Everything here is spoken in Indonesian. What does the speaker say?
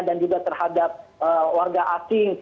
dan juga terhadap warga asing